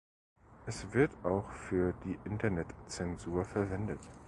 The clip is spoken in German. Es wird auch für die Internetzensur verwendet.